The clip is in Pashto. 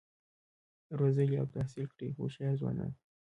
روزلي او تحصیل کړي هوښیار ځوانان